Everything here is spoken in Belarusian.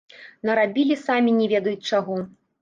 Нарабілі самі не ведаюць чаго.